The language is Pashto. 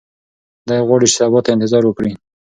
دی غواړي چې سبا ته انتظار وکړي.